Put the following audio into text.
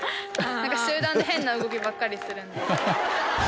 集団で変な動きばっかりするんで。